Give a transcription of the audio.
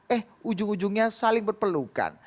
eh ujung ujungnya saling berpelukan